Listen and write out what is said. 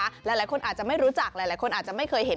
หลายคนอาจจะไม่รู้จักหลายคนอาจจะไม่เคยเห็น